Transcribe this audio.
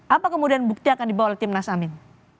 apa kemudian bukti akan dibawa oleh tim nas amin